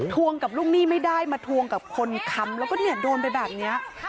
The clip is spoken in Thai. วงกับลูกหนี้ไม่ได้มาทวงกับคนค้ำแล้วก็เนี่ยโดนไปแบบนี้